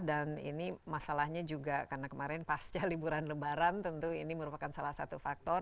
dan ini masalahnya juga karena kemarin pasca liburan lebaran tentu ini merupakan salah satu faktor